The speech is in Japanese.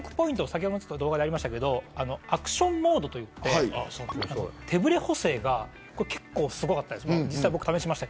先ほどの動画にもありましたけどアクションモードといって手ぶれ補正が結構すごいです。